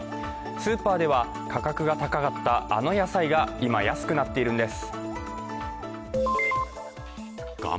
スーパーでは、価格が高かったあの野菜が今、安くなっているんです。